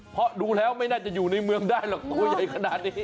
เพราะดูแล้วไม่น่าจะอยู่ในเมืองได้หรอกตัวใหญ่ขนาดนี้